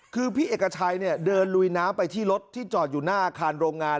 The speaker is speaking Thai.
คือพี่เอกชัยเนี่ยเดินลุยน้ำไปที่รถที่จอดอยู่หน้าอาคารโรงงาน